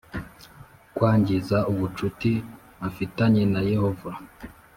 Kwangiza ubucuti afitanye na Yehova